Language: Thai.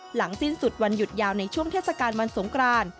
หลังสิ้นสุดวันหยุดยาวในช่วงเทศกาลวันสงคราน